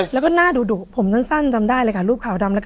แล้วก็หน้าดุผมซั่นจำได้รูปขาวดำ